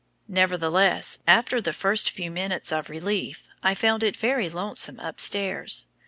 Nevertheless, after the first few minutes of relief, I found it very lonesome upstairs.